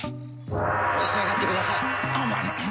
召し上がってください。